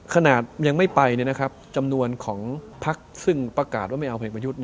ขนาดยังไม่ไปจำนวนของพักซึ่งประกาศว่าไม่เอาเพลงประยุทธ์